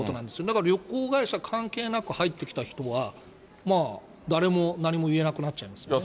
だから旅行会社関係なく入ってきた人は、まあ、誰も何も言えなくなっちゃいますよね。